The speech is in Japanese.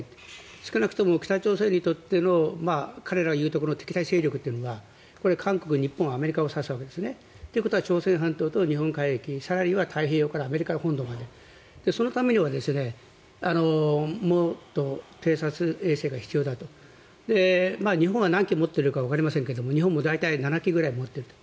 少なくとも北朝鮮にとっての彼らが言うところの敵対勢力というのがこれ韓国、日本アメリカを指すんですね。ということは朝鮮半島と日本海域、更には大西洋とアメリカ本土までそのためにはもっと偵察衛星が必要だと日本は何機持っているかわかりませんが日本も７機ぐらい持っていると。